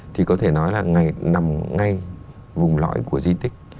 thì có thể nói là nằm ngay vùng lõi của di tích